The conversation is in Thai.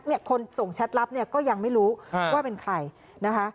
คนส่งแชทลับเนี่ยก็ยังไม่รู้ว่าเป็นใครนะคะ